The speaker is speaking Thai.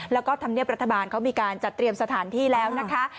แล้วก็ธรรมเนียบรัฐบาลเขามีการจัดเตรียมสถานที่แล้วนะคะ